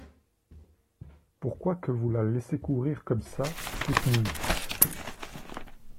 Pourquoi que vous la laissez courir comme ça, toute nue ?…